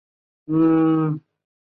其父为木棉商人小津定利。